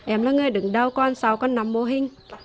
em là người đứng đầu con sáu con năm mô hình